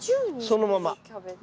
そのまま。